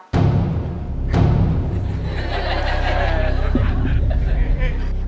ข้อมูล